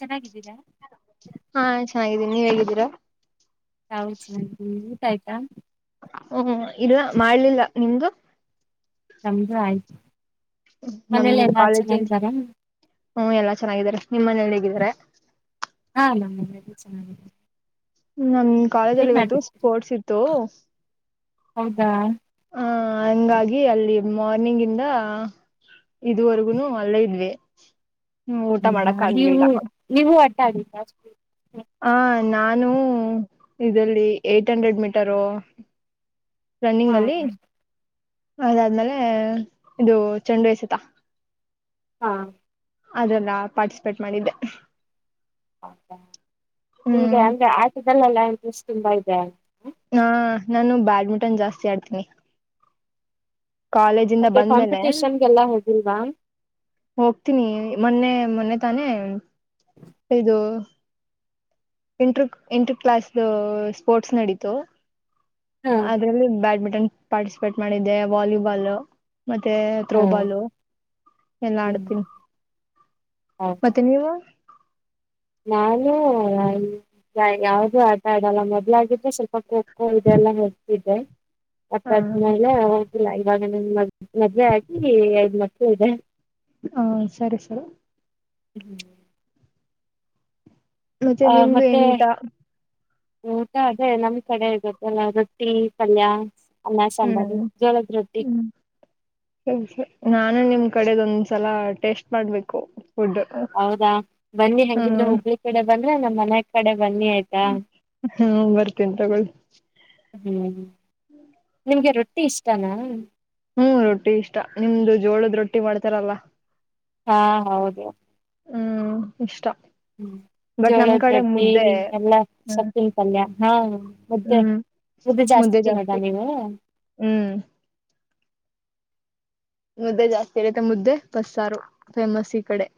ಚೆನ್ನಾಗಿದ್ದ ಹಾ ಹಿದ್ದೀನಿ ನೀವ್ ಹೇಗಿದ್ದೀರಾ ಹೌ ಚ ಊಟ ಆಯ್ತಾ ಹ್ಮ ಇದು ಮಾಡ್ಲಿಲ್ಲ ನಿಮ್ದು ಸಮಜ ಆಯ್ತು ಮನೇಲೆ ನಮ್ದ ಎಲ್ಲಾ ಕಾಲೇಜ ಚೆನ್ನಾಗಿದ್ದಾರಾ ಹ್ಮ ಎಲ್ಲಾ ಚೆನ್ನಾಗಿದ್ದಾರೆ ನಿಮ್ಮ್ ಮನೆಯಲ್ಲಿ ಹೇಗಿದ್ದಾರೆ ಮ ಚೆನ್ನ ನಮ್ ಕಾಲೇಜಲ್ಲಿ ಇವತ್ತು ಸ್ಪೋರ್ಟ್ಸ್ ಇತ್ತು ಹೌದಾ ಆ ಹಂಗಾಗಿ ಅಲ್ಲಿ ಮಾರ್ನಿಂಗ್ ಇಂದ ಇದುವರೆಗುನು ಅಲ್ಲೆ ಇದ ಇದ್ವಿ ಹ್ಮ್ ಊಟ ಮಾಡಕ್ ಹಾ ಆಗ್ಲಿಲ್ಲ ನೀವು ನೀವು ಸ ಹ ನಾನು ಇದಲ್ಲಿ ಏಟ್ ಹಂಡ್ರೆಡ್ ಮೀಟರು ಹಾ ರನ್ನಿಂಗ್ ಅಲ್ಲಿ ಅದಾದ್ಮೇಲೆ ಇದು ಚೆಂಡು ಎಸತ ಹಾ ಅದೆಲ್ಲ ಪಾರ್ಟಿಸಿಪೇಟ್ ಮಾಡಿದ್ದೆ ಹೌದಾ ನಿಮ್ಗೆ ಹ್ಮ್ ಅಂದ್ರೆ ಆಸಿದಲ್ಲಲ್ಲ ಎ ಷ್ಟ ತುಂಬಾ ಇದೆ ಹಾ ನಾನು ಬ್ಯಾಡ್ಮಿಂಟನ್ ಜಾಸ್ತಿ ಆಡ್ತೀನಿ ಕಾಲೇಜಿಂದ ಮತ್ತೆ ಬಂದ್ಮೇಲೆ ಕಾಂಪಿಟೇಷನ್ಗೆಲ್ಲಾ ಹೋಗ ಹವಾಾ ಹೋಗ್ತೀನಿ ಮೊನ್ನೆ ಮೊನ್ನೆ ತಾನೇ ಇದು ಇಂಟರ್ ಇಂಟರ್ ಕ್ಲಾಸ್್ದ ಸ್ಪೋರ್ಟ್ಸ್ ನಡೀತು ಹಾ ಅದ್ರಲ್ಲಿ ಬ್ಯಾಡ್ಮಿಂಟ ಪಾರ್ಟಿಸಿಪೇಟ್ ಮಾಡಿದ್ದೆ ವಾಲಿಬಾಲ್ ಮತ್ತೆ ಹಾ ೋಬಾಲು ಹ್ಮ್ ಡ್ತೀನಿ ಹೌದಾ ಮತ್ತೆ ನೀವು ನಾನು ಯಾವ್ದೂ ಆಟ ಆಡಲ್ಲ ಮೊದ್ಲಾಗಿದ್ರೆ ಸ್ವಲ್ಪ ಖೋಖೋ ಇದೆಲ್ಲ ಹತಿದ್ದೆ ಮತ್ತ ಹ ಆದ್ಮೇಲೆ ಹೋಗಿಲ್ಲ ಇವಾಗ ಮ ಮದ್ುವೆ ಆಾಕಿ ಎಐದ ಮಕ್ಕಳು ಇದೆ ಹಾ ಸರಿ ಸರ್ ಹ್ಮ್್ಮ ಮತ್ತೆ ನಿಮ್ದು ಏನಟಾ ಊಟಾ ಅದೇ ನಮ್ ಕಡೆ ಇರುತ್ತಲ್ಲ ರೊಟ್ಟಿ ಪಲ್ಯ ಅನ್ನ ಸಾಂಬಾರು ಹ್ಮ್ ಜೋಳದ ರೊಟ್ಟಿ ಹ್ಮ್ ನಾನು ನಿಮ್ ಕಡೆದೊಂದ ಸಲ ಟೇಸ್ಟ್ ಮಾಡ್ಬೇಕು ಫುಡ್ ಹೌದಾ ಬನ್ನಿ ಹೆಂಗಿದ್ರೆ ಹುಬ್ಳಿ ಕಡೆ ಬಂದ್ರೆ ನಮ್ಮ್ ಮನೆ ಕಡೆ ಬನ್ನಿ ಆಯ್ತಾ ಹ್ಮ ಹ್ಮ್ ಬರ್ತೇನಿ ತಗೊಳ್ ಹ್ಮ್ ಹ್ಮ್ ನಿಮ್ಗೆ ರೊಟ್ಟಿ ಇಷ್ಟನಾ ಹ್ಮ್ ರೊಟ್ಟಿ ಇಷ್ಟ ನಿಮ್ದು ಜೋಳದ ರೊಟ್ಟಿ ಮಾಡ್ತಾರಲ್ಲ ಹಾ ಹೌದು ಹ್ಮ್ ಇಷ್ಟ ಹ್ಮ್ ಬಟ್ ನಮ್ ಜೋಳದ ಕಡೆ ರೊಟ್ಟಿ ಮುದ್ದೆ ಎಲ್ಲಾ ಹ್ಮ್ ಸಪ್ಪನ್ ಪಲ್ಯ ಹಾ ಮುದ್ದೆ ಹ್ಮ್ ಮುದ್ದೆ ಜಾಸ್ತಿ ತಿನ್ನೋದಾ ನೀವು ಹ್ಮ್ ಮುದ್ದೆ ಜಾಸ್ತಿ ಇರುತ್ತೆ ಮುದ್ದೆ ಬಸ್ಸಾರು ಫೇಮಸ್ ಈ ಕಡೆ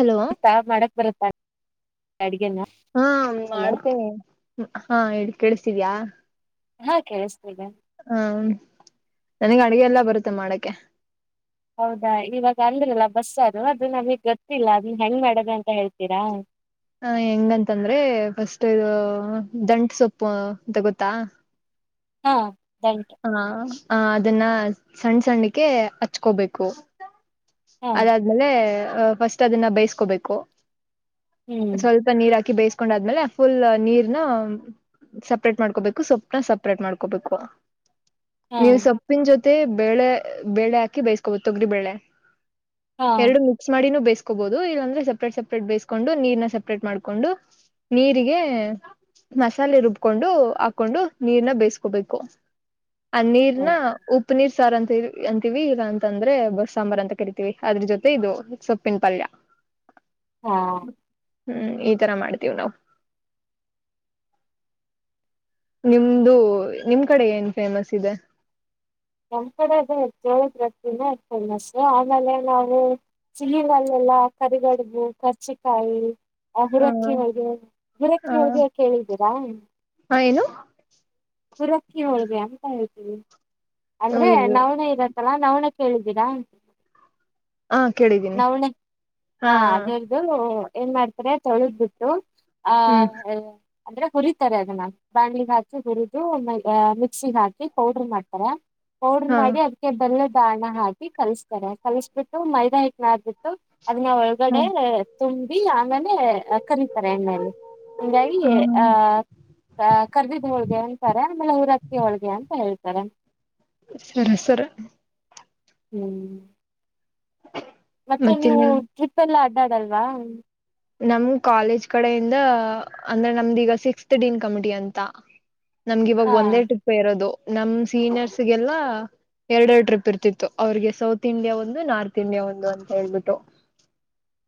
ಹಲೋ ಸಾರ್ ಮಾಡಕ್ ಬರುತ್ತಾ ಸರಿ ಹಾ ಮಾಡ್ತೇನೆ ಹಾ ಕೆಳ್ತಿಸ್ಟಿದ್ಯಾ ಹಾ ಕೇಳಸ್ತದೆ ನನ್ಗೆ ಅಡಗೆ ಎಲ್ಲ ಬರುತ್ತೆ ಮಾಡಕ್ಕೆ ಹೌದಾ ಇವಾಗ ಅಲ್ರಲ್ಲ ಬಸ್ಸ ಅದು ಅದು ನಮಗ್ ಗೊತ್ತಿಲ್ಲ ಅದ ಹೆಂಗ್ ಮಾಡದ ಅಂತ ಹೇಳ್ತೀರಾ ಹ ಹೆಂಗಂತಂದ್ರೆ ಫಸ್ಟ್ ಇ ದಂಟ ಸೊಪ್ಪು ತಗತ್ತಾ ಹಾ ದಂಟ್ ಹಾ ಹ ಅದನ್ನ ಸಣ್ಣ್ ಸಣ್ಣಕ್ಕೆ ಹಚ್ಕೋಬೇಕು ಹಾ ಅದಾದ್ಮೇಲೆ ಫಸ್ಟ್ ಅದನ್ನ ಬೇಸ್ಕೋಬೇಕು ಹ್ಮ್ ಸ್ವಲ್ಪ ನೀರ್ ಹಾಕಿ ಬೇಯಸ್ತ ಕೊಂಡಾದ್ಮೇಲೆ ಫುಲ್ ನೀರ್ನ ಸಪ್ರೇಟ್ ಮಾಡ್ಕೋಬೇಕು ಸೊಪ್ಪನ ಸಪ್ರೇಟ್ ಮಾಡ್ಕೋಬೇಕು ಹಾ ನೀವು ಸೊಪ್ಪಿನ ಜೊತೆ ಮತ್ತೆ ಬೇಳೆ ಬೇಳೆ ಹಾಕಿ ಬೈಸ್ಕೊಬ ತಗರಿ ಬೇಳೆ ಹಾ ಎರಡು ಮಿಕ್ಸ್ ಮಾಡಿನೂ ಬಿಯ್ಸ್ಕೊ ಹಾಕೋಬಹುದು ಇಲ್ಲಾಂದ್ರೆ ಸಪ್ರೇಟ್ ಸಪ್ರೇಟ್ ಬೇಯಸ್ಕೊಂಡು ನೀರ್ನ ಸಪ್ರೇಟ್ ಮಾಡ್ಕೊಂಡು ನೀರಿಗೆ ಮಸಾಲೆ ರುಬ್ಕೊಂಡು ಹಾಕೊಂಡು ನೀರ್ನ ಬೇಯಸ್ಕೋಬೇಕು ಅ ನೀರ್ ನ ಹೌದು. ಉಪನಿ ಸಾರ್ ಅಂತ ಅಂತೀವಿ ಈಗ ಅಂತ ಅಂದ್ರೆ ಬಸ್ ಸಾಂಬಾರ್ ಅಂತ ಕರಿತೀವಿ ಅದ್ರ ಜೊತೆ ಇದು ಸೊಪ್ಪಿನ ಪಲ್ಯ ಹಾ ಹ್ಮ್ ಈ ತರ ಮಾಡ್ತೀವಿ್ ನಾವವು ನಿಮ್ದು ನಿಮ್ ಕಡೆ ಏನ್ ಫೇಮಸ್ ಇದೆ ನಮ್ಮ್ ಕೂಡೆದು ಹೆಚ್ಚ ಜೋಳುದ್ ರೊಟ್ಟಿ ಫೇಮಸ್ ಆಮೇಲೆ ನಾವು ಸಿಹರಲ್ಲೆಲ್ಲ ಕರಿಗಡುಬು ಕರ್ಚಿಕಾಯಿ ಆ ಹ ಹುರಕ್ಕಿ ಹಳಗೆ ಹುರಕಕ್ಕಿ ಹೋಳಿಗೆ ಕೇಳಿದ್ದೀರಾ ಹಾ ಏನು ಹೂರಕ್ಕಿ ಹೋಳಿಗೆ ಅಂತ ಹೇಳ್ತಿವಿ ಅಂದ್ರೆ ಇದು ನವಣ ಇರತ್ತಲ್ಲ ನಾವನ ಕೇಳಿದ್ದೀರಾ ಹಾ ಕೇಳಿದ್ದೀನಿ ನವಣೆ ಹಾ ಅದರ್ದು ಏನ್ ಮಾಡ್ತಾರೆ ತೊಳದ್ ಬಿಟ್ಟು ಹಾ ಹ್ಮ್ ಹ ಅಂದ್ರೆ ಉರಿತರೆ ಅದನ್ನ ಬಾಣಲಿ ಹಾಕಿ ಹುರಿ ಅನ್ ಇಂಟೆಲಿಬಲ್ ಮಿಕ್ಸಿಗೆ ಹಾಕಿ ಪೌಡರ್ ಮಾಡ್ತಾರೆ ಪೌಡರ್ ಹಾ ಮಾಡಿ ಅದಕ್ಕೆ ಬೆಲ್ಲದ್ ಹಣ್ಣ ಹಾಕಿ ಕಲಿಸ್ತಾರೆ ಕಲಸ್ ಬಿಟ್ಟು ಮೈದಾ ಹಾಕ್ಬಿಟ್ಟು ಅದನ್ನ ಒಳಗಡೆ ಹ್ಮ ತುಂಬಿ ಆಮೇಲೆ ಕರತಾರೆ ಎಣ್ಣೆಯಲ್ಲಿ ಹಂಗಾಗಿ ಹ್ಮ್ ಆಹ ಕರ್ದಿದ ಹೋಳಗೆ ಆಮೇಲೆ ಊರಕ್ಕಿ ಹಳ್ಹೋಳಿಗೆ ಅಂತ ಹೇಳ್ತಾರೆ ಸರಿ ಸರಿ ಹ್ಮ್ ಮತ್ತೆ ಮತ್ತ ನೀವು ಇನ್ನೇನ್ ಟ್ರಿಪ್ ಎಲ್ಲ ಅದಲ್ವಾ ಅನ್ಎಂಟೆಜಿಬಲ್ ನಮ್ ಕಾಲೇಜ್ ಕಡೆಯಿಂದ ಅಂದ್ರೆ ನಮ್ದ ಈಗ ಸಿಕ್ಸ್ತ್ ಡೀನ್ ಕಮಿಟಿ ಅಂತ ನಮ್ಗೆ ಇವಾಗ ಹಾ ಒಂದೇ ಟ್ರಿಪ್ ಇರೋದು ನಮ್ ಸೀನಿಯರ್ಸ್ ಗೆಲ್ಲ ಎರಡೆರಡು ಟ್ರಿಪ್ ಇರ್ತಿತ್ತು ಅವ್ರಿಗೆ ಸೌತ್ ಇಂಡಿಯಾ ಒಂದು ನಾರ್ತ್ ಇಂಡಿಯಾ ಒಂದು ಅಂತ ಹೇಳ್ಬಿಟ್ಟು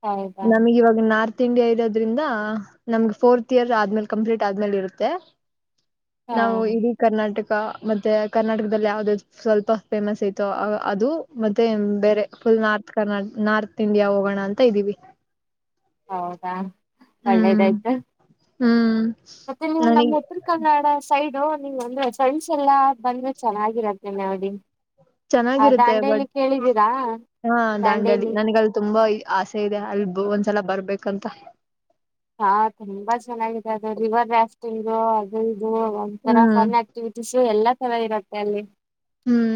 ಹೌದಾ ನಮಗ್ ಇವಾಗ ನಾರ್ತ್ ಇಂಡಿಯಾ ಇರೋದ್ರಿಂದ ನಮ್ಗೆ ಫೋರ್ಥ್ ಇಯರ್ ಆದ್ಮೇಲೆ ಕಂಪ್ಲೀಟ್ ಆದ್ಮೇಲೆ ಇರುತ್ತೆ ಹಾ ನಾವು ಇಡೀ ಕರ್ನಾಟಕ ಕ ಮತ್ತೆ ಕರ್ನಾಟಕದಲ್ಲಿ ಯಾವ್ದ ಸ್ವಲ್ಪ ಫೇಮಸ್ ಐತೋ ಅ ಅದು ಮತ್ತೆ ಬೇರೆ ಫುಲ್ ನಾರ್ತ್ ಕರ್ನಾ ನಾರ್ತ್ ಇಂಡಿಯಾ ಹೋಗೋಣ ಅಂತ ಇದ್ದೀವಿ ಹೌದಾ ಹ್ಮ್ ಒಳ್ಳೆದಾಯ್ತು ಹ್ಮ್ ಮತ್ತೆ ನೀವು ನನಗ್ ನಮ್ಮ ಉತ್ತರ ಕನ್ನಡ ಸೈಡು ನೀ್ ಅನ್ಇಂಟಲಿಗಿಬಲ್ ಅಂದ್ರೆ ಫ್ರೆಂಡ್ಸ್ ಎಲ್ಲಾ ಬಂದ್ರೆ ಚೆನ್ನಾಗಿರತ್ತೆನೆ ನಡಿ ಚೆನ್ನಾಗಿರುತ್ತೆ ಬಟ್ ಹಾ ದಾಂಡ್ಯಲಿ ದಾಂಡೇಲಿ ನನಗಲ್ಲಿ ತುಂಬಾ ಇ ಆಸೆ ಇದೆ ಅಲ್ ಒಂದ್ಸಲ ಬರ್ಬೇಕಂತ ದು ರಿವರ್ ರಾಫ್ಟಿಂಗ್ ಅದ ಅನ್ಇಂಟೆಜಿಬಲ್ ಇದು ಒಂತರ ಹ್ಮ್ ಫನ್ ಆಕ್ಟಿವಿಟೀಸ್ ಎಲ್ಲ ಚೆನ್ನಾಗಿ ಇರುತ್ತೆ ಅಲ್ಲಿ ಹ್ಮ್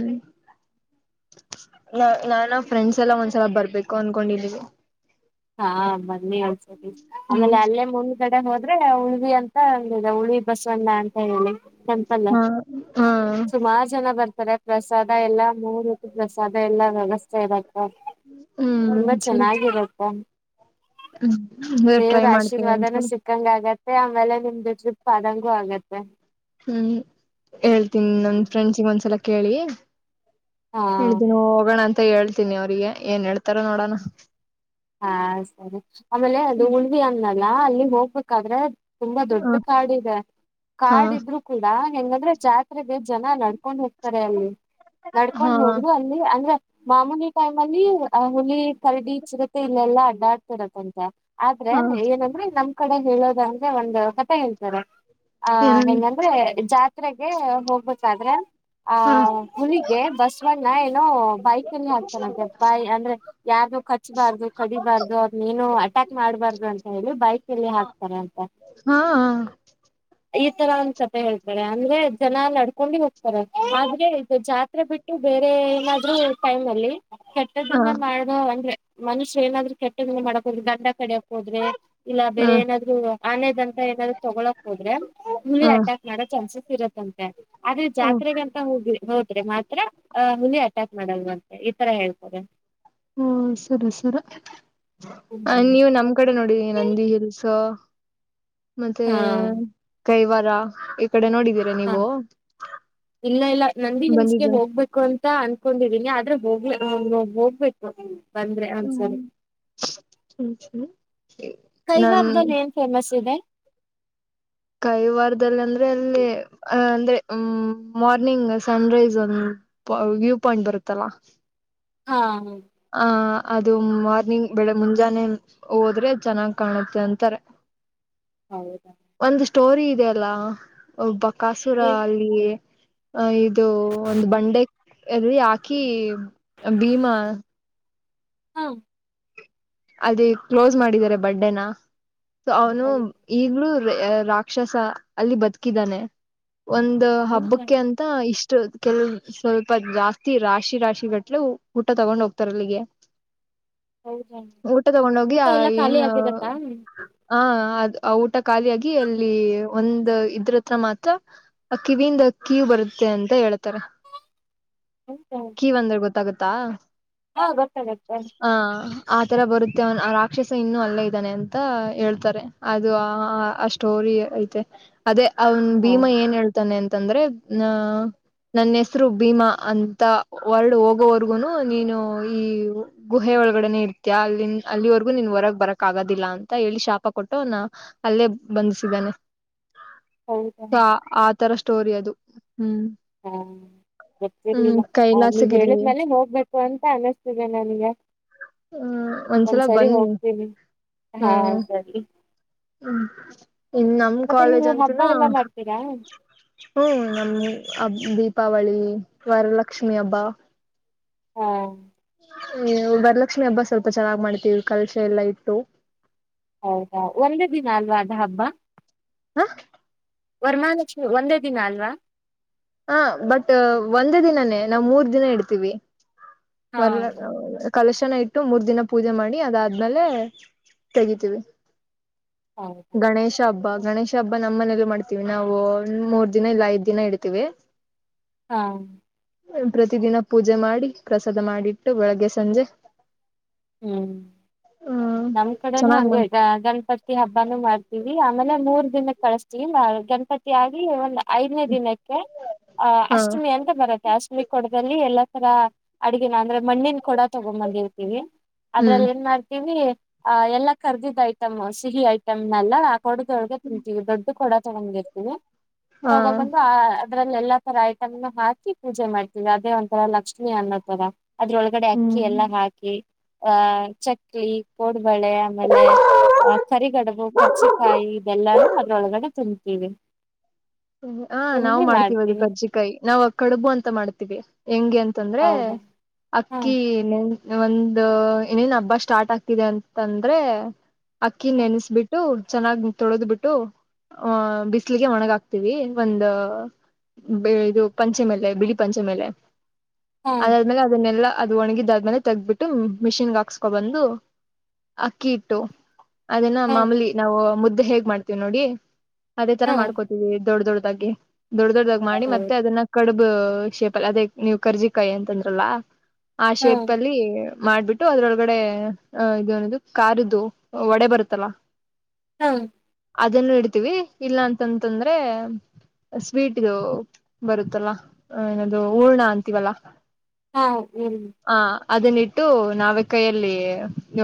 ನ ನಾನ ಫ್ರೆಂಡ್ಸ್ ಎಲ್ಲ ಒಂದ್ಸಲ ಬರ್ಬೇಕು ಅನ್ಕೊಂಡಿ ಇದೀವಿ ಹಾ ಬನ್ನಿ ಹ್ಮ್ ಆಮೇಲೆ ಅಲ್ಲೇ ಮುಂದ ಕಡೆ ಹೋದ್ರೆ ಉಳಿವಿ ಅಂತ ಒಂದಿದೆ ಉಳಿ ಬಸವಣ್ಣ ಅಂತ ಹೇಳಿ ಸಂಪಲ್ಲ ಹಾ ಹಾ ಸುಮಾರು ಜನ ಬರ್ತಾರೆ ಪ್ರಸಾದ ಎಲ್ಲಾ ಮೂರೋತ್ ಪ್ರಸಾದ ಎಲ್ಲಾ ವ್ಯವಸ್ಥೆ ಇರತ್ತೆ ಹ ತುಂಬಾ ಹ್ಮ್ ಸರಿ ಚೆನ್ನಾಗಿರತ್ತೆ ಹಇನಾಡಿಬಲ್ ಹ್ಮ್ ಟ್ರೈ ಮಾಡ್ತೇವಿ ಒಂದಸಲ ಮ ಆಮೇಲೆ ನಿಮ್ದು ಟ್ರಿಪ್ ಆದಂಗೂ ಆಗತ್ತೆ ಹ್ಮ್ ಹೇಳ್ತೀನಿ ನನ್ ಫ್ರೆಂಡ್ಸಗ್ ಒಂದ್ಸಲ ಕೇಳಿ ಹಾ ಹೇಳಿದೆ ನ ಹೋಗೋಣ ಅಂತ ಮತ್ತ ಹೇಳ್ತಿನಿ ಅವರಿಗೆ ಏನ್ ಹೇ ತ್ತರ ನೋಡೋಣ ಹಾ ಸರಿ ಆಮೇಲೆ ಅದು ಉಳವಿ ಅಂತ ಅಲ್ಲ ಅಲ್ಲಿ ಹೋಗ್ಬೇಕಾದ್ರೆ ತುಂಬಾ ದೊಡ್ಡ ಹ ಕಾಡ ಇದೆ ಹಾ ಕಾಡ ಇದ್ರು ಕೂಡ ಹೆಂಗಂದ್ರೆ ಜಾತ್ರೆಗೆ ಜನ ನಡ್ಕೊಂಡ್ ಹೋಗ್ತಾರೆ ಅಲ್ಲಿ ಹಾ ನಡ್ಕೊಂಡ್ ಹೋದ್ರು ಅಲ್ಲಿ ಅಂದ್ರ ಮಾಮೂಲಿ ಟೈಮ್ ಅಲ್ಲಿ ಹುಲಿ ಕರಡಿ ಚಿರ ಇಲ್ಲೆಲ್ಲಾ ಅಡ್ಡಾ ಆಡ್ತಿರತ್ತಂತೆ ಆದ್ರೆ ಹಾ ಏನಂದ್ರೆ ನಮ ಕಡೆ ಹೇಳೋದ ಅಂದ್ರೆ ಒಂದ ಕಥ ಹೇಳ್ತಾರೆ ಹ ಏನಂದ ಹೆಂಗಂದ್ರೆ ಜಾ ಜಾತ್ರೆಗೆ ಹೋಗ್ಬೇಕಾದ್ರೆ ಆ ಹಾ ಹುಲಿಗೆ ಬಸವಣ್ಣ ಏನೋ ಬೈಕಲ್ಲಿ ಹಾಕ್ತಾನಂತೆ ಬಾಯಿ ಅಂದ್ರೆ ಯಾರನ ಖಚ್ಬಾರ್ದು ಬಾರ್ದು ಅದ ನೀನು ಅಟ್ಯಾಕ್ ಮಾಡ್ಬಾರ್ದು ಅಂತ ಹೇಳಿ ಬಾಯಿ ಕಲ್ಲಿ ಹಾಕ್ತಾರೆ ಅಂತ ಹಾ ಈ ತರ ಒಂದ ಕಥೆ ಹೇಳ್ತಾರೆ ಅಂದ್ರೆ ಜನ ನಡ್ಕೊಂಡಿ ಹೋಗ್ತಾರೆ ಆದ್ರೆ ಜಾತ್ರೆ ಬಿಟ್ಟು ಬೇರೆ ಎಲ್ಲ ನೀ ಟೈಮ್ ಅಲ್ಲಿ ಹಾ ಕೆಟ್ಟದನ್ನ ಮಾಡ್ದ ಅಂದ್ರೆ ಮನು ನಾದ್ರೆ ಕೆಟ್ಟ ಮಾಡಕ ಹೋದ್ರೆ ದಂಡ ಕಡಕ್ ಹೋದ್ರೆ ಇಲ್ಲಾ ಹಾ ಬೇರೆ ಏನಾದ್ರು ಆನೆದಂತ ಏನಾದ್ರು ತೊಗೋಕ್ ಹೋದ್ರೆ ಹ ಹಾ ಅಟ್ಯಾಕ್ ಮಾಡೋ ಚಾನ್ಸಸ್ ಇರುತ್ತಂತೆ ಆದ್ರ ಜಾತ್ರೆಗಂತ ಹೋಗಿ ಹೋದ್ರಿ ಮಾತ್ರ ಅ ಹುಲಿ ಅಟ್ಯಾಕ್ ಮಾಡಲ್ ಅಂತೆ ಈ ತರ ಹೇಳ್ತಾರೆ ಹ್ಮ ಸರಿ ಸರಿ ಹ ನೀವು ನಮ್ ಕಡೆ ನೋಡ ನಂದಿ ಹಿಲ್ಸ್ ಮತ್ತೆ ಹಾ ಕೈವಾರ ಕಡೆ ನೋಡಿದೀರಾ ಹಾ ನೀವು ಇಲ್ಲ ಇಲ್ಲ ನಂದಿ ಹಿಲ್ಸ್ ಗೆ ಬಂದಿದ್ದು ಹೋಗ್ಬೇಕು ಅಂತ ಅನ್ಕೊಂಡಿದೀನಿ ಆದ್ರೆ... ಹೋಗ್ ಹೋಗ್ಬೇಕು... ಬಂದ್ರೆ ಹ ಸರಿ.. ನನ್ ಕೈಗಾರದಲ್ಲಿ ಏನ್ ಫೇಮಸ್ ಇದೆ??? ಕೈ ವಾರದಲ್ಲಿ ಅಂದ್ರೆ ಅಲ್ಲಿ ಅಂದ್ರೆ ಮಾರ್ನಿಂಗ್ ಸನ್ ರೈಸ್ ಒಂದು ವ್ಯೂ ಪಾಯಿಂಟ್ ಬರುತ್ತಲ್ಲ. ಹಾ ಹ ಅದು ಮಾರ್ನಿಂಗ್ ಬೆಳೆಗ್ ಮುಂಜಾನೆ ಹೋದ್ರೆ ಚೆನ್ನಾಗ್ ಕಾಣುತ್ತೆ ಅಂತಾರೆ.. ಹೌದ. ಒಂದು ಸ್ಟೋರಿ ಇದೆ ಅಲ್ಲಾ ಒಬ್ಬ.. ಕಾಸುರ.... ಏನ್- ಅಲ್ಲಿ ಹ ಇದು ಇದು ಒಂದ ಬಂಡೆ ಅಲ್ಲಿ ಹಾಕಿ ಭೀಮಾ.. ಹ್ಮ ಅದೇ ಕ್ಲೋಸ್ ಮಾಡಿದಿದ್ದಾರೆ ಬಂಡೆ ನಾ ಸೋ ಅವನು ಹೌದು ಈಗ್ಲೂ ರಾಕ್ಷಸ ಅಲ್ಲಿ ಬದುಕಿದ್ದಾನೆ. ಒಂದ ಹೌದಾ ಹಬ್ಬಕ್ಕೆ ಅಂತ ಇಷ್ಟ.. ಕೆಲ್ ಸ್ವಲ್ಪ ಜಾಸ್ತಿ ರಾಶಿ ರಾಶಿ ಗಟ್ಲೆ ಊಟ ತಗೊಂಡ್ ಹೋಗ್ತಾರಲ್ಲಿಗೆ. ಹೌದಾ ಊಟ ತಗೊಂಡ ಹೋಗಿ ಊಟ ಆ ಎಲ್ಲ ಏನ್ ಖಾಲಿ ಆಗಿರತ್ತಾ ಹ ಅದ ಆ ಊಟ ಖಾಲಿಯಾಗಿ ಅಲ್ಲಿ ಒಂದ ಇದ್ರತ್ರ ಮಾತ್ರ ಕಿವಿಯಿಂದ ಕಿವ ಬರುತ್ತೆ ಅಂತ ಹೇಳ್ತಾರೆ. ಹೌದಾ ಕೀವ್ ಅಂದ್ರೆ ಗೊತ್ತಾಗುತ್ತೆ. ತ್ತಾ.. ಹಾ ಗೊತ್ತಾಗತ್ತೇ ಆತರ ಬರುತ್ತೆ ಅವನ್ ಆ ರಾಕ್ಷಸ ಇನ್ನೂ ಅಲ್ಲೇ ಇದ್ದಾನೆ ಅಂತ ಹೇಳ್ತಾರೆ ಅದು ಆ.... ಸ್ಟೋರಿ ಐತೆ ಅದೇ. ಅವ್ನ್ ಹಾ ಭೀಮಾ ಏನ್ ಹೇಳ್ತಾನೆ ಅಂತ?? ಅಂತ ಅಂದ್ರೆ ನ ನನ್ನ ಹೆಸರು ಭೀಮಾ ಅಂತ ವರ್ಡ್ ಹೋಗೋವರ್ಗುನು ನೀನು ಈ ಗುಹೆ ಒಳಗಡೆನೆ ಇರ್ತಿ.. ಅಲ್ಲಿನ್ ಅಲ್ಲಿವರೆಗೂ ನಿನ್ ಹೊರಗೆ ಬರಕ್ ಆಗೋದಿಲ್ಲ ಅಂತ ಹೇಳಿ ಶಾಪ ಕೊಟ್ಟು ನ ಅಲ್ಲೇ ಬಂಧಿಸಿದಾನೆ. ಹೌದಾ ಈ ತರ ಸ್ಟೋರಿ ಅದು. ಹ್ಮ್ ಹಾ ಹ್ಮ್ ಗೊತ್ತತ್ತರಿಲಿಲ್ಲ ನೀವ್ ಕೈಲಾಸಗಿರಿ ಹೇಳಿದ್್ಮಲೆ ಹೋಗ್ಬೇಕು ಅಂತ ಅನ್ನಿಸ್ತಿದೆ ನನ್ಗೆ ಹ್ಮ್ ಒಂದ್ಸಲ ಒಂದ್ಸರಿ ಬನ್ನಿ ಹೋಗ್ತೀನಿ ಹಾ ಸರಿ.. ಹ್ಮ ಇನ್ ನಮ ಮತ್ತೆ ಕಾಲೇಜ್ ನೀವು ಹಬ್ಬ ಅಂತೂನಾ ಎಲ್ಲಾ ಮಾಡ್ತೀರಾ ಹ ನಮ್ಮ ಅ ದೀಪಾವಳಿ ವರಲಕ್ಷ್ಮಿ ಹಬ್ಬ ಹಾ ಹ ವರಲಕ್ಷ್ಮಿ ಹಬ್ಬ ಸ್ವಲ್ಪ ಚೆನ್ನಾಗ್ ಮಾಡ್ತೀವಿ ಕಲಶ ಎಲ್ಲಾ ಇಟ್ಟು ಹೌದಾ ಒಂದೇ ದಿನ ಅಲ್ವ ಅದ ಹಬ್ಬ ಹ ವರ್ಮಹಾಲಕ್ಷ್ಮಿ ಒಂದೇ ದಿನ ಅಲ್ವಾ ಹ ಬಟ್ ಒಂದೇ ದಿನನೇ ನಾವು್ ಮೂರ್ ದಿನ ಇಡ್ತೀವಿ ಹಾ ಒಲ್ಲ ಕಲಶನ ಇಟ್ಟು ಮೂರ್ ದಿನ ಪೂಜೆ ಮಾಡಿ ಅದಾದ್ಮೇಲೆ ತೆಗತಿೀವಿ ಹೌದಾ ಗಣೇಶ ಹಬ್ಬ ಗಣೇಶ ಹಬ್ಬ ನಮ್ಮನೇಲ್ಲೂ ಮಾಡ್ತೀವಿ ನಾವು ಒಂದ ಮೂರ್ ದಿನ ಇಲ್ಲ ಐದ್ ದಿನ ಇಡ್ತೀವಿ ಹಾ ಪ್ರತಿ ದಿನ ಪೂಜೆ ಮಾಡಿ ಪ್ರಸಾದ ಮಾಡಿಟ್ಟು ಬೆಳಗ್ಗೆ ಸಂಜೆ ಹ್ಮ್ ಹ್ಮ್ ನಮ್ ಕಡೆನುೂ ಚೆನ್ನಾಗ್ ಹಗೆ ಮಾಡ ಗಣಪತಿ ಹಬ್ಬಾನೂ ಮಾಡ್ತೀವಿ ಆಮೇಲೆ ಮೂರ್ ದಿನಕ್ಕೆ ಕಳ್ತ ಇಲ್ಲ ಗಣಪತಿ ಆಗ್ಲಿವಲ್ಲ ಐದನೇ ದಿನಕ್ಕೆ ಆ ಹಾ ಅಷ್ಟಮಿ ಅಂತ ಬರುತ್ತೆ ಅಷ್ಟ ಕೊಡದಲ್ಲಿ ಎಲ್ಲಾ ತರ ಅಡಗಿನ ಅಂದ್ರೆ ಮಣ್ಣಿನ ಕೂಡ ತಗೊಂಬಂದಿರ್ತೀವಿ ಹ್ಮ್ ಅದ್ರಲ್ಲಿ ಏನ್ ಮಾಡ್ತೀವಿ ಆ ಎಲ್ಲಾ ಕರ್ದಿದ್ದ್ ಐಟಮ್ ಸಿಹಿ ಐಟಮ್ನಲ್ಲ ಕೊಡದೊಳಗ ತಿಂಿ ದೊಡ್ಡ ಕೊಡ [unintelligible] ಹಾ ತಗೊಂಬಂದು ಆ ಅದ್ರಲ್ಲಿ ಎಲ್ಲಾ ತರ ಐಟಮ್ ಹಾಕಿ ಪೂಜೆ ಮಾಡ್ತೀವಿ ಅದೇ ಒಂಥರ ಲಕ್ಷ್ಮಿ ಅನ್ನೋ ತರ ಅದ್ರೊಳಗಡೆ ಅಕ್ಕಿ ಹ್ಮ್ ಎಲ್ಲಾ ಹಾಕಿ ಆ ಚಕ್ಲಿ ಬಳೆ ಆಮೇಲೆ ಕರಿಗಡಬು ಕರ್ಚಿಕಾಯಿ ಇದೆಲ್ಲಾನು ಅದ್ರೊಳಗಡೆ ತುಂಬ ಹ ನಾವು ಮಾಡ್ತೀವಿ ಅದು ಕಜ್ಜಿಕಾಯಿ ನಾವ್ ಕಡುಬು ಅಂತ ಮಾಡ್ತೀವಿ ಹೆಂಗೆ ಅಂತಂದ್ರೆ ಹೌದಾ ಹಾ ಅಕ್ಕಿ ನೆನ್ಸಿ ಒಂದ ಇನೇನ್ ಹಬ್ಬ ಸ್ಟಾರ್ಟ್ ಆಗ್ತಿದೆ ಅಂತಂದ್ರೆ ಅಕ್ಕಿ ಹಾ ನೆನೆಸಬಿಟ್ಟು ಚೆನ್ನಾಗ್ ತೊಳೆದ್ ಬಿಟ್ಟು ಆಹ ಬಿಸಿಲಿಗೆ ಒಣಗ ಆ್ತ ಒಂದ ಇದು ಪಂಚೆ ಮೇಲೆ ಬಿಳಿ ಪಂಚೆ ಮೇಲೆ ಹಾ ಅದಾದ್ಮೇಲೆ ಅದನ್ನೆಲ್ಲ ಅದು ಒಣಗಿದಾದ್ಮೇಲೆ ತೆಗಬಿಟ್ಟು ಮಿಷಿನ್ ಹಾಕ್ಸ್ಕೊ ಬಂದು ಅಕ್ಕಿ ಹಿಟ್ಟು ಅದನ ಹಾ ಮಾಮೂಲಿ ನಾವು ಮುದ್ದ. ಹೇಗ್ ಮಾಡ್ತೀವಿ ನೋಡಿ. ಅದೇ ತರ ಹಾ ಮಾಡ್ಕೊತು. ಏ ದೊಡ್ಡ ದೊಡ್ಡ್ ದಾಗಿ. ದೊಡ್ಡ ದೊಡ್ಡಾಗಿ ಮಾಡಿ ಮತ್ತೆ ಅದನ್ನ ಕಡಬ್. ಶೇಪಲ್ ಅದೇ ನೀವು್ ಕರ್ಜಿಕಾಯಿ ಅಂತಂದ್ರಲ್ಲ. ಆ ಶೇಪ್ ಅಲ್ಲಿ. ಮಾಡ್ಬಿಟ್ಟು ಅದ್ರೊಳಗಡೆ ಆ ಇದೆ ನದು ಕಾರದ್ ವಡೆ ಬರುತ್ತಲ್ಲ. ಹ್ಮ. ಅದನ್ನು ಇಡ್ತಿವಿ ಇಲ್ಲ ಅಂತಂದರೇ. ಅಂದ್ರೆ ಸ್ವೀಟ್ದು ಬರುತ್ತಲ್ಲ ಏನದು ಊರ್ಣ ಅಂತೀವಲ್ಲ. ಹಾ ಹ್ಮ್. ಆ ಅದನ್ನಿಟ್ಟು ನಾವೇ ಕೈಯಲ್ಲಿ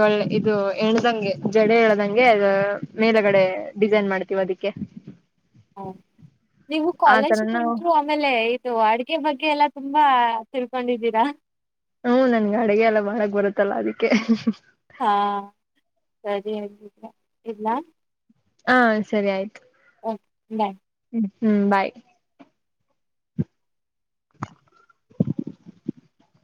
ಒಳ್ಳ ಇದು ಎಣದಂಗೆ ಜಡೆ ಎಣದಂಗೆ ಅದು ಮೇಲಗಡೆ ಡಿಸೈನ್ ಮಾಡ್ತೀವಿ ಅದಕ್ಕೆ. ಹಾ. ನೀವು ಆ ಕಾಲೇಜ್ ತರ ನಾವು ಪಂಟ್ರು ಆಮೇಲೆ ಇದು ಅಡ್ಗೆ ಬಗ್ಗೆ ಎಲ್ಲಾ ತುಂಬ. ತುಂಬಾ ತಿಳ್ಕೊಂಡಿದ್ದೀರಾ. ಹ್ಮ ನನ್ಗೆ ಅಡಗೆ ಎಲ್ಲ ಮಾಡಕ್ ಬರುತ್ತಲ್ಲ ಅದಕ್ಕೆ. ಹಾ ಸರಿ ಹಾಗಿದ್ರೆ ಇಡ್ಲಾ ಹಾ ಸರಿ ಆಯ್ತು. ಬಾಯ್. ಹ್ಮ್ ಬಾಯ್. [inaudible]